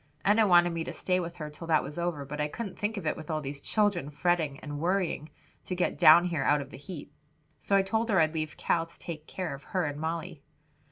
Enna wanted me to stay with her till that was over, but I couldn't think of it with all these children fretting and worrying to get down here out of the heat. So I told her I'd leave Cal to take care of her and Molly.